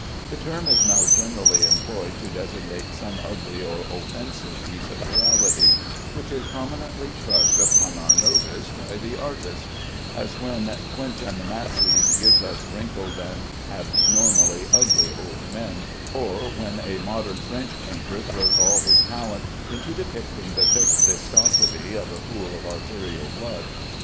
The term is now generally employed to designate some ugly or offensive piece of reality which is prominently thrust upon our notice by the artist; as when Quintin Matseys gives us wrinkled and abnormally ugly old men, or when a modern French painter throws all his talent into depicting the thick viscosity of a pool of arterial blood.